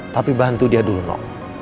tapi bantu dia dulu